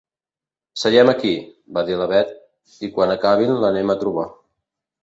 Seiem aquí —va dir la Bet—, i quan acabin l'anem a trobar.